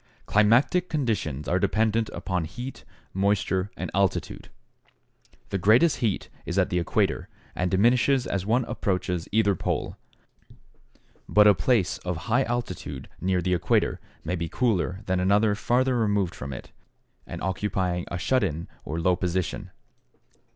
= Climatic conditions are dependent upon heat, moisture, and altitude. The greatest heat is at the equator and diminishes as one approaches either pole, but a place of high altitude near the equator may be cooler than another farther removed from it and occupying a shut in or low position.